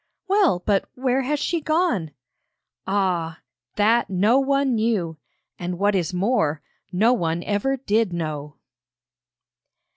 'Well, but where has she gone?' Ah! that no one knew and what is more, no one ever did know!